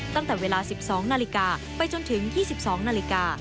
ตั้งแต่เวลา๑๒นาฬิกาไปจนถึง๒๒นาฬิกา